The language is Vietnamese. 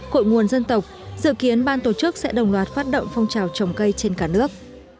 cội nguồn dân tộc dự kiến ban tổ chức sẽ đồng loạt phát động phong trào trồng cây trên cả nước